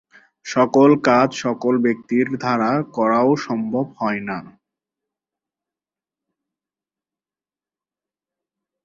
সকল কাজ সকল ব্যক্তির দ্বারা করাও সম্ভব হয় না।